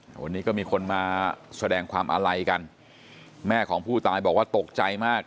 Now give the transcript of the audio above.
วันนี้ก็มีคนมาแสดงความอาลัยกันแม่ของผู้ตายบอกว่าตกใจมาก